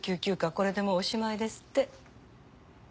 これでもうおしまいですって。